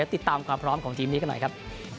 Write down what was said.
ติดตามความพร้อมของทีมนี้กันหน่อยครับ